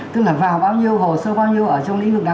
tức là vào bao nhiêu hồ sơ bao nhiêu ở trong lĩnh vực nào